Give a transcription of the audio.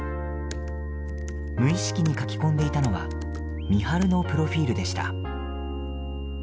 無意識に書き込んでいたのは美晴のプロフィールでした。